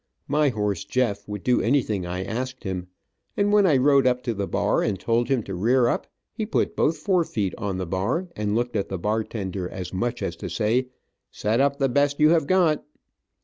My horse Jeff would do anything I asked him, and when I rode up to the bar and told him to rear up, he put both fore feet on the bar, and looked at the bartender as much as to say, "set up the best you have got."